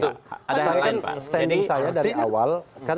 karena standing saya dari awal